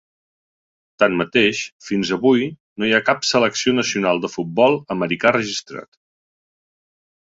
Tanmateix, fins avui no hi ha cap selecció nacional de futbol americà registrat.